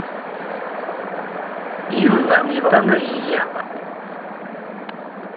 Yuba yebɣa ad iyi-yaɣ.